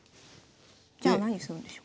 じゃあ何するんでしょう？